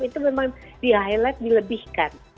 itu memang di highlight dilebihkan